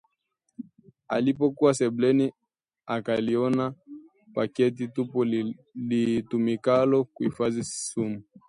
Alipokuwa sebuleni akaliona paketi tupu litumikalo kuhifadhia sumu